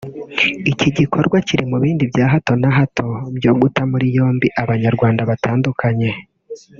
Iki gikorwa kiri mubindi bya hato na hato byo guta muri yombi Abanyarwanda batandukanye